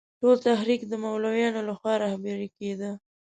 ټول تحریک د مولویانو له خوا رهبري کېده.